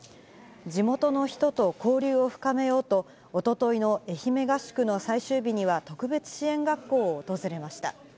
地元の人と交流を深めようと、おとといの愛媛合宿の最終日には、特別支援学校を訪れました。